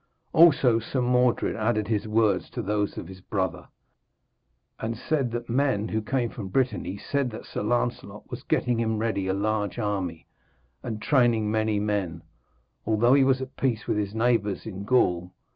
Also Sir Mordred added his words to those of his brother, and said that men who came from Brittany said that Sir Lancelot was getting him ready a large army, and training many men, although he was at peace with his neighbours in Gaul.